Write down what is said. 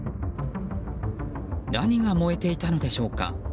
何が燃えていたのでしょうか。